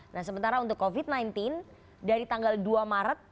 nah sementara untuk covid sembilan belas dari tanggal dua maret